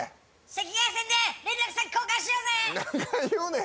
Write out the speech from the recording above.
赤外線で連絡先交換しようぜ！